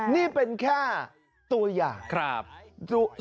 นี่เป็นแค่ตัวอย่าง